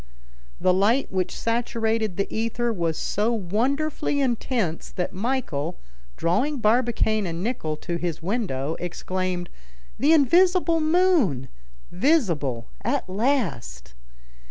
The light which saturated the ether was so wonderfully intense, that Michel, drawing Barbicane and Nicholl to his window, exclaimed, "The invisible moon, visible at last!"